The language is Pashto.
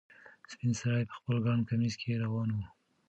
سپین سرې په خپل ګڼ کمیس کې روانه وه.